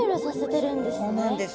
そうなんです。